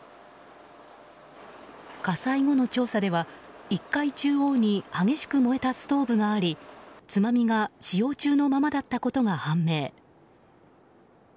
火災後の調査では１階中央に激しく燃えたストーブがありつまみが使用中のままだったことが判明。